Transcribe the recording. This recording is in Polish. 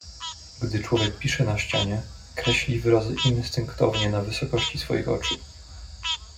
"Gdy człowiek pisze na ścianie, kreśli wyrazy instynktownie na wysokości swoich oczu."